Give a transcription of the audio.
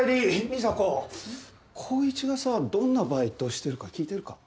美紗子浩一がさどんなバイトしてるか聞いてるか？